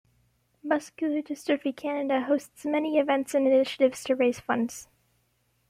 Muscular Dystrophy Canada hosts many events and initiatives to raise funds.